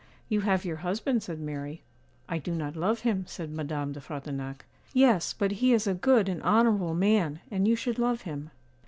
'You have your husband,' said Mary. 'I do not love him,' said Madame de Frontignac. 'Yes; but he is a good and honourable man, and you should love him.